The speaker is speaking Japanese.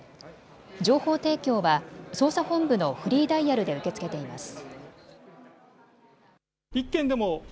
情報提供は捜査本部のフリーダイヤルで受け付けています。